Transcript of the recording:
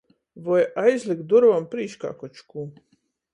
Voi aizlikt durovom prīškā koč kū.